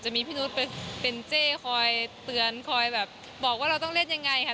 จะมีพี่นุฏเป็นเจ๊คอยเตือนคอยแบบบอกว่าเราต้องเล่นอย่างไร